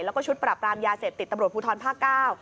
แล้วก็ชุดปรับรามยาเสพติดตำรวจภูทรภาคเก้า